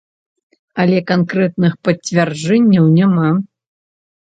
Але канкрэтных пацвярджэнняў няма.